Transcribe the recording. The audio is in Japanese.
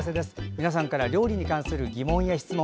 皆さんから料理に関する疑問や質問